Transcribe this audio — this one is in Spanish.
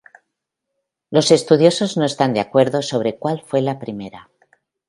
Los estudiosos no están de acuerdo sobre cual fue la primera.